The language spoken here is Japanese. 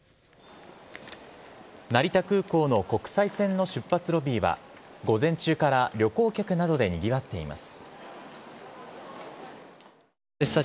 成田空港の国際線の出発ロビーは午前中から旅行客などでにぎわっています。